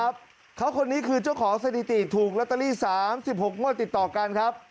เขาคนนี้คือเจ้าของสถิติถูกลอตเตอรี่๓๖งวดติดต่อกันครับ